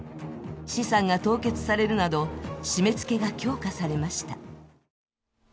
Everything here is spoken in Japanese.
資産が凍結されるなど、締めつけが強化されました。